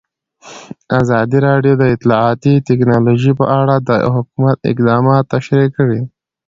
ازادي راډیو د اطلاعاتی تکنالوژي په اړه د حکومت اقدامات تشریح کړي.